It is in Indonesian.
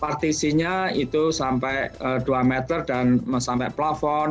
partisinya itu sampai dua meter dan sampai plafon